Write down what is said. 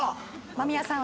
間宮さん